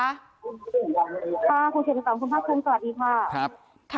คุณสิริวัลค่ะคุณเฉพาะคุณภาพเชิญต่อดีค่ะ